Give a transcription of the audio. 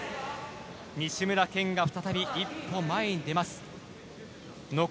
西村拳が再び一歩前に出ます。